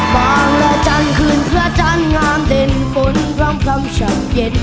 บางระจันทร์คืนพระจันทร์งามเด่นฝนพร้อมพร้อมฉันเย็น